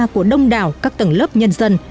của đông đảo các tầng lớp nhân dân